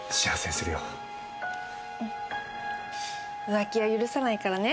浮気は許さないからね。